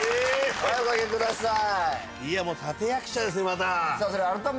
おかけください。